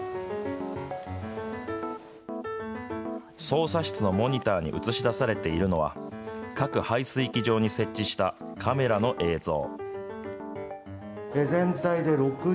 操作室のモニターに映し出されているのは、各排水機場に設置したカメラの映像。